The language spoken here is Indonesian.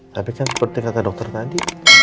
tapi kan seperti kata dokter tadi